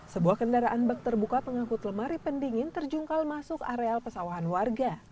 sebuah kendaraan bak terbuka pengangkut lemari pendingin terjungkal masuk areal pesawahan warga